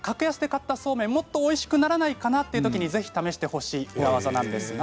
格安で買ったそうめんをもう少しおいしくならないかなというときに試してほしい裏技です。